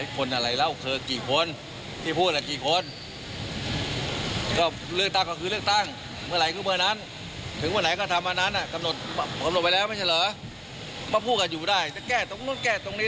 จะอยู่ได้จะแก้ตรงนู้นแก้ตรงนี้